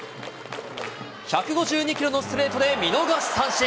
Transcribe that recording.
１５２キロのストレートで見逃し三振。